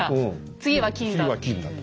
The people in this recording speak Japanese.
次は金だと。